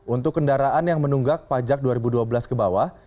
untuk kendaraan yang menunggak pajak dua ribu dua belas ke bawah